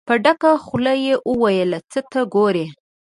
په ډکه خوله يې وويل: څه ته ګورئ؟